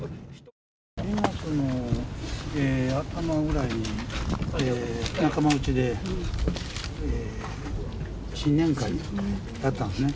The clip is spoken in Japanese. ２月の頭ぐらいに、仲間内で新年会やったんですね。